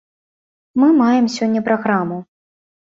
Мы маем сёння праграму.